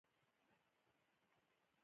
ډېر اسان ورزشونه دي -